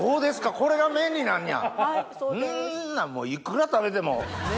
こんなんいくら食べても。